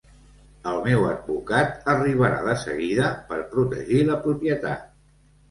El meu advocat arribarà de seguida per protegir la propietat.